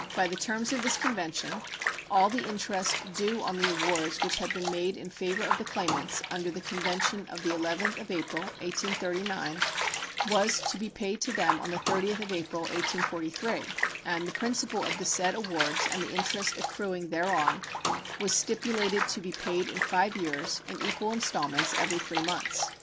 By the terms of this convention all the interest due on the awards which had been made in favor of the claimants under the convention of the 11th of April, 1839, was to be paid to them on the 30th of April, 1843, and "the principal of the said awards and the interest accruing thereon" was stipulated to "be paid in five years, in equal installments every three months."